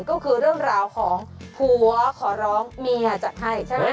ก็คือเรื่องราวของผัวขอร้องเมียจัดให้ใช่ไหม